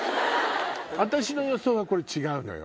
私の予想は違うのよ。